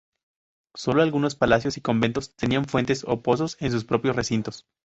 Solo algunos palacios y conventos tenían fuentes o pozos en sus propios recintos.